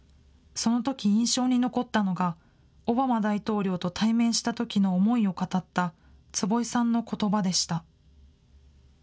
そのとき、印象に残ったのがオバマ大統領と対面したときの思いを語った、坪井さんのことばでした。